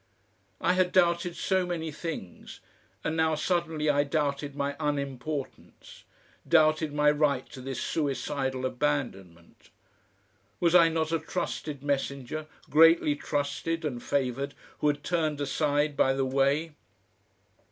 I had doubted so many things, and now suddenly I doubted my unimportance, doubted my right to this suicidal abandonment. Was I not a trusted messenger, greatly trusted and favoured, who had turned aside by the way?